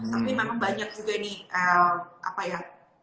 tapi memang banyak juga nih apa ya